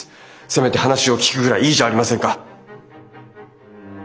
せめて話を聞くぐらいいいじゃありませんか。